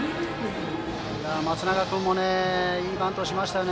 松永君いいバントしましたね。